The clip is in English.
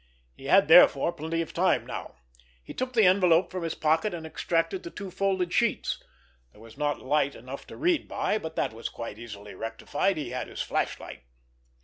He had therefore plenty of time now. He took the envelope from his pocket and extracted the two folded sheets. There was not light enough to read by, but that was quite easily rectified. He had his flashlight.